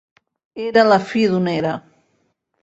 Era la fi d'una era.